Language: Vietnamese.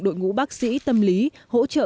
đội ngũ bác sĩ tâm lý hỗ trợ